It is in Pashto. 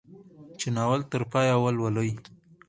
چې ناول تر پايه ولولي.